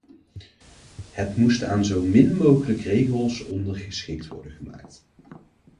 Het moest aan zo min mogelijk regels ondergeschikt worden gemaakt.